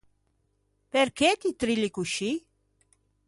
Perché ti trilli coscì?